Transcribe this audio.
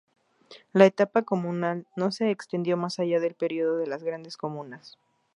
La etapa comunal no se extendió más allá del período de las grandes comunas.